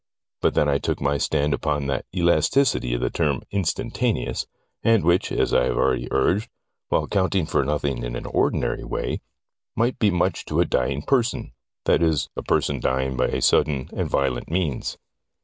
But then I took my stand upon that elasticity of the term instantaneous, and which, as I have already urged, while counting for nothing in an ordinary way, might be much to a dying person, that is, a person dying by sudden and violent means.